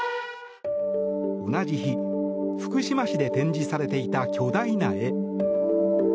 同じ日、福島市で展示されていた巨大な絵。